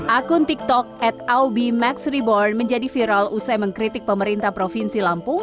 akun tiktok at aubi max reborn menjadi viral usai mengkritik pemerintah provinsi lampung